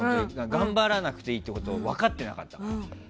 頑張らなくていいってことを分かってなかった。